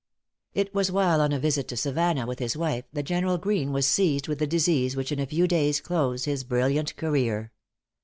It was while on a visit to Savannah with his wife, that General Greene was seized with the disease which in a few days closed his brilliant career.